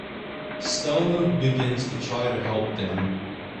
Stella begins to try to help Dan.